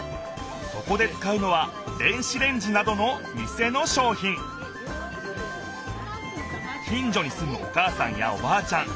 そこで使うのは電子レンジなどの店のしょうひん近じょにすむおかあさんやおばあちゃん